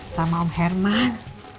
sama om herman